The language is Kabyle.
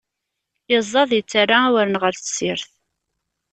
Iẓẓad, itterra awren ɣer tessirt.